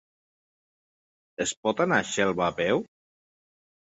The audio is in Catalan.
Es pot anar a Xelva a peu?